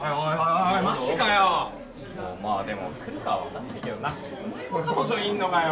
おいマジかよでも来るかは分かんないけどなお前も彼女いんのかよ